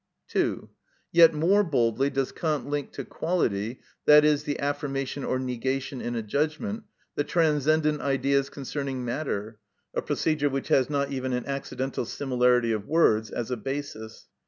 (2.) Yet more boldly does Kant link to quality, i.e., the affirmation or negation in a judgment, the transcendent Ideas concerning matter; a procedure which has not even an accidental similarity of words as a basis.